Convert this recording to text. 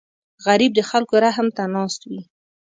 غریب د خلکو رحم ته ناست وي